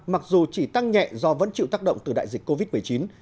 mặc dù chỉ tăng nhẹ do vẫn chịu tác động từ đại dịch covid một mươi chín